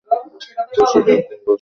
বৈশালী একদিন বুঝতে পারে যে সে গর্ভবতী।